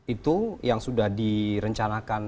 itu yang sudah direncanakan